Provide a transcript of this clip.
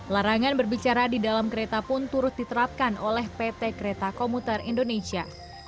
larangan berbicara di dalam kereta pun turut diterapkan oleh pt kereta komuter indonesia